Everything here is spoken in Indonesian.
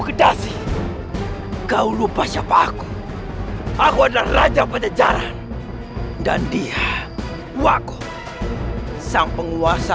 kedasi kau lupa siapa aku aku adalah raja pajajaran dan dia wah sang penguasa